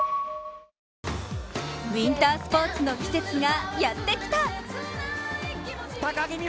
ウィンタースポーツの季節がやってきた！